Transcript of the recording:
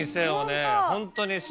ホントに。